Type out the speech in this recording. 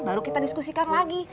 baru kita diskusikan lagi